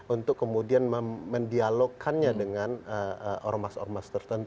untuk kemudian mendialogkannya dengan ormas ormas tertentu